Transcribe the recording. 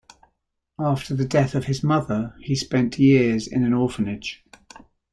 After the death of his mother, he spent years in an orphanage.